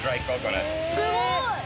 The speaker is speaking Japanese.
すごい！